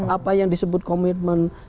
apa yang disebut komitmen